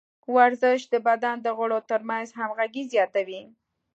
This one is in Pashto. ورزش د بدن د غړو ترمنځ همغږي زیاتوي.